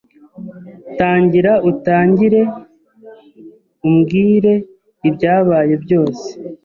Tangira utangire umbwire ibyabaye byose.